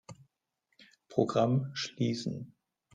Programm schließen.